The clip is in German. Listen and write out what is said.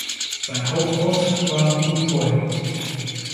Sein Hauptort war Rouvroy.